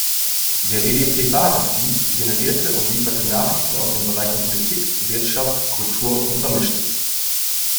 Der ddp-Basisdienst generierte und lieferte Nachrichten aus den Bereichen Politik, Wirtschaft, Kultur und Vermischtes.